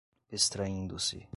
extraindo-se